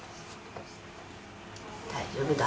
大丈夫だ。